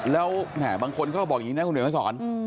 แล้วบางคนก็บอกอย่างนี้นะคุณเหนียวมันสอน